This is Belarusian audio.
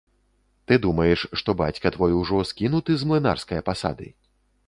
Ты думаеш, што бацька твой ужо скінуты з млынарскае пасады?